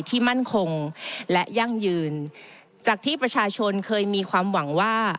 มั่นคงและยั่งยืนจากที่ประชาชนเคยมีความหวังว่า